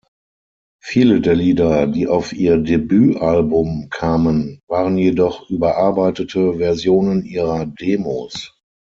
Viele der Lieder, die auf ihr Debütalbum kamen, waren jedoch überarbeitete Versionen ihrer Demos.